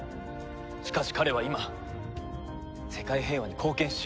しかし彼は今世界平和に貢献しようとしている。